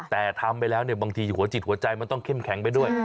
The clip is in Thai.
แต่ทำไปแล้วเนี่ยบางทีหัวจิตหัวใจมันต้องเข้มแข็งไปด้วย